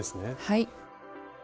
はい。